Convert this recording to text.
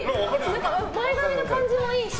前髪の感じもいいし